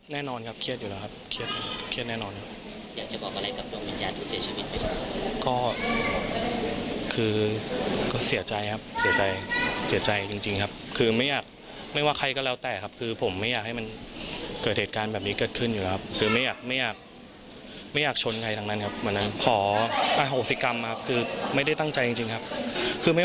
แน่นอนครับเครียดอยู่แล้วินิยาลงทางก็คือเสียใจครับคือไม่ชะแค่กินครับคือไม่